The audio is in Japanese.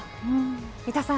三田さん